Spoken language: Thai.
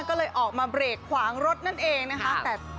ก็เลยออกมาเบรกขวางรถนั่นเองนะคะ